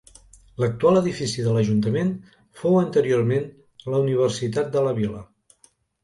L'actual edifici de l'ajuntament fou anteriorment la Universitat de la Vila.